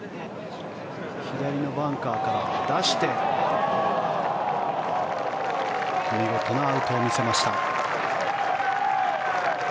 左のバンカーから出して見事なアウトを見せました。